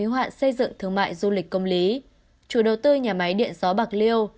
y hoạn xây dựng thương mại du lịch công lý chủ đầu tư nhà máy điện gió bạc liêu